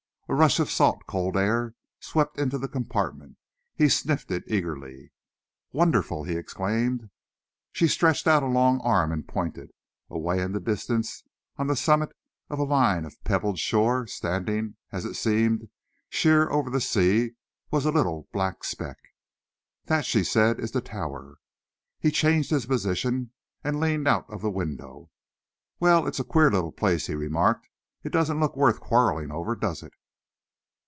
A rush of salt, cold air swept into the compartment. He sniffed it eagerly. "Wonderful!" he exclaimed. She stretched out a long arm and pointed. Away in the distance, on the summit of a line of pebbled shore, standing, as it seemed, sheer over the sea, was a little black speck. "That," she said, "is the Tower." He changed his position and leaned out of the window. "Well, it's a queer little place," he remarked. "It doesn't look worth quarrelling over, does it?"